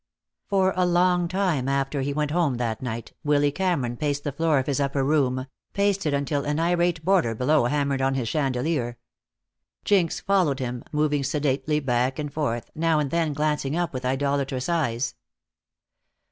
For a long time after he went home that night Willy Cameron paced the floor of his upper room, paced it until an irate boarder below hammered on his chandelier. Jinx followed him, moving sedately back and forth, now and then glancing up with idolatrous eyes.